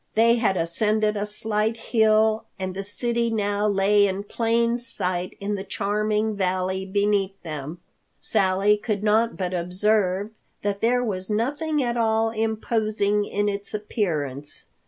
They had ascended a slight hill, and the city now lay in plain sight in the charming valley beneath them. Sally could not but observe that there was nothing at all imposing in its appearance.